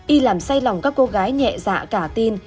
y làm say lòng các cô gái nhẹ dạ cả tin